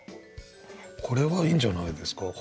これはいいんじゃないですか。